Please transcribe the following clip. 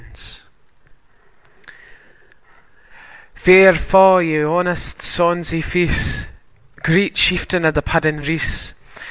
] Fair fa' your honest, sonsie face, Great chieftain o' the pudding race!